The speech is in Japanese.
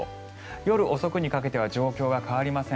夜遅くにかけては状況は変わりません。